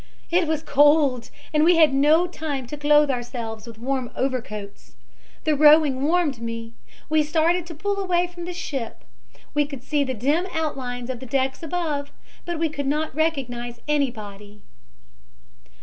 "It was cold and we had no time to clothe ourselves with warm overcoats. The rowing warmed me. We started to pull away from the ship. We could see the dim outlines of the decks above, but we could not recognize anybody."